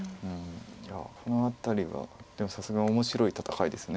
いやこの辺りはさすが面白い戦いです。